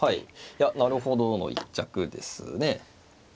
いやなるほどの一着ですね。